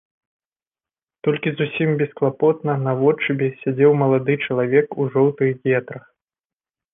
Толькі зусім бесклапотна, наводшыбе, сядзеў малады чалавек у жоўтых гетрах.